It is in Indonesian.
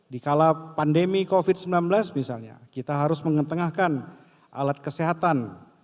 di kala pandemi covid sembilan belas misalnya kita harus mengetengahkan alat kesehatan